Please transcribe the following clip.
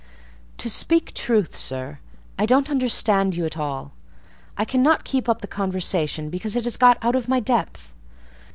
"To speak truth, sir, I don't understand you at all: I cannot keep up the conversation, because it has got out of my depth.